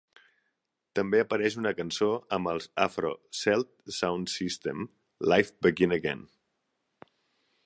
També apareix una cançó amb els Afro Celt Sound System, "Life Begin Again".